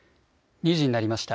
２時になりました。